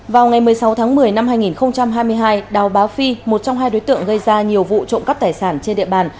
vào ngày một mươi sáu tháng một mươi năm hai nghìn hai mươi hai đào bá phi một trong hai đối tượng gây ra nhiều vụ trộm cắp tài sản trên địa bàn